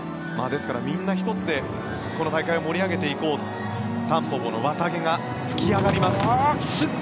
ですからみんな一つでこの大会を盛り上げていこうとタンポポの綿毛が吹き上がります。